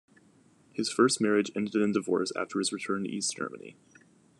His first marriage ended in divorce after his return to East Germany.